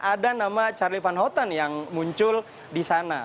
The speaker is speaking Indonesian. ada charlie van houten yang muncul di sana